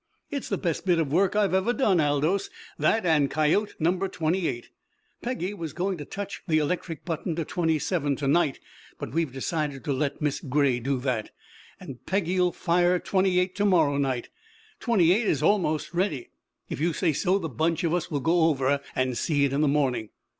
"It's the best bit of work I've ever done, Aldous that and Coyote Number Twenty eight. Peggy was going to touch the electric button to Twenty seven to night, but we've decided to let Miss Gray do that, and Peggy'll fire Twenty eight to morrow night. Twenty eight is almost ready. If you say so, the bunch of us will go over and see it in the morning.